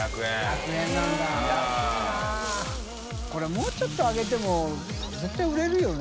もうちょっと上げても簑売れるよね。